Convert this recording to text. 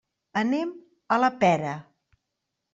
Anem a la Pera.